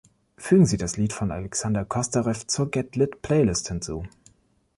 Fügen Sie das Lied von Alexander Kostarev zur „Get- Lit-Playlist“ hinzu.